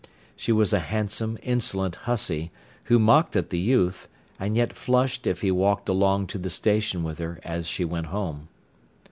She was a handsome, insolent hussy, who mocked at the youth, and yet flushed if he walked along to the station with her as she went home.